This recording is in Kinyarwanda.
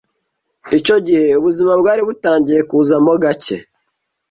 icyo gihe ubuzima bwari butangiye kuzamo gacye